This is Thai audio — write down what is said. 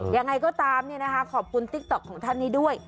ยังไงก็ตามขอบคุณติ๊กต๊อกของท่านนี้ด้วย